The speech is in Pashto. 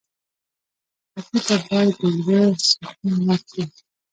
ټپي ته باید د ذهن سکون ورکړو.